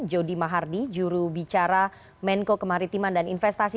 jody mahardi juru bicara menko kemaritiman dan investasi